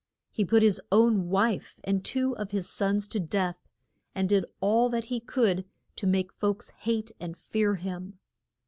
He put his own wife and two of his sons to death, and did all that he could to make folks hate and fear him.